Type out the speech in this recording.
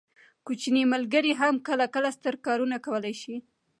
کوچني ملګري هم کله کله ستر کارونه کولی شي.